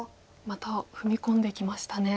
また踏み込んできましたね。